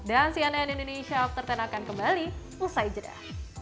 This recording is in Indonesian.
dan cnn indonesia after sepuluh akan kembali usai jeda